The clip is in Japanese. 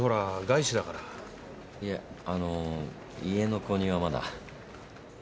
いえあの家の購入はまだ。